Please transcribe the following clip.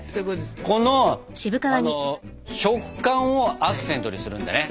この食感をアクセントにするんだね？